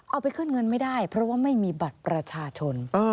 เอาไปขึ้นเงินไม่ได้เพราะว่าไม่มีบัตรประชาชน